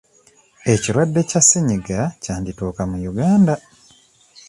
Ekirwadde kya ssenyiga kyandituuka mu Uganda